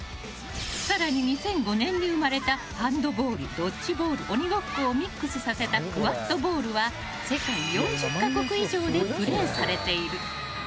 更に、２００５年に生まれたハンドボール、ドッジボール鬼ごっこをミックスさせたクアッドボールは世界４０か国以上でプレーされている。